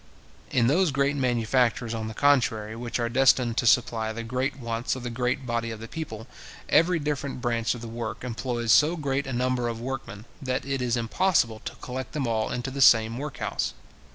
In those great manufactures, on the contrary, which are destined to supply the great wants of the great body of the people, every different branch of the work employs so great a number of workmen, that it is impossible to collect them all into the same workhouse.